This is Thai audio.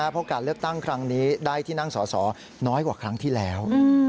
เพราะการเลือกตั้งครั้งนี้ได้ที่นั่งสอสอน้อยกว่าครั้งที่แล้ว